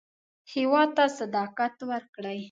هېواد ته صداقت ورکړئ